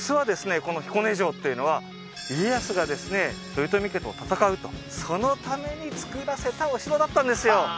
この彦根城っていうのは家康がですね豊臣家と戦うとそのために造らせたお城だったんですよ